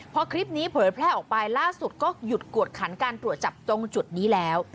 พอคลิปนี้เผยแพร่ออกไปล่าสุดก็หยุดกวดขันการตรวจจับตรงจุดนี้แล้ว